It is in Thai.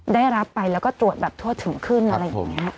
ได้รับไปแล้วก็ตรวจแบบทั่วถึงขึ้นอะไรอย่างนี้